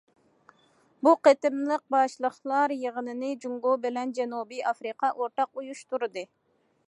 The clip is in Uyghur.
بۇ قېتىملىق باشلىقلار يىغىنىنى جۇڭگو بىلەن جەنۇبىي ئافرىقا ئورتاق ئۇيۇشتۇردى.